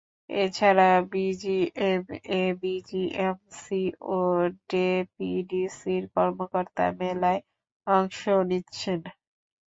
এ ছাড়া BGMEA, BJMC ও জেপিডিসির কর্মকর্তার মেলায় অংশ নিচ্ছেন।